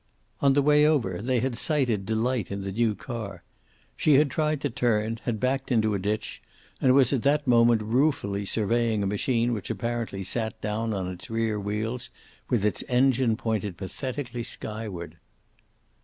On the way over they had sighted Delight in the new car. She had tried to turn, had backed into a ditch and was at that moment ruefully surveying a machine which had apparently sat down on its rear wheels with its engine pointed pathetically skyward.